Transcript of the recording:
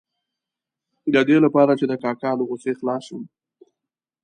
د دې لپاره چې د کاکا له غوسې خلاص شم.